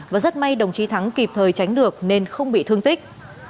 và rất may đồng chí thắng kịp thời tránh được nên không bị thương tích